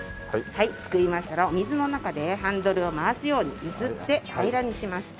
はいすくいましたらお水の中でハンドルを回すように揺すって平らにします。